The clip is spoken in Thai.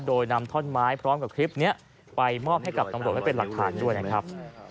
โดยนำท่อนไม้พร้อมกับคลิปนี้ไปมอบให้กับตำรวจไว้เป็นหลักฐานด้วยนะครับ